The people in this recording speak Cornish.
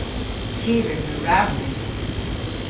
Ty re beu ravnys.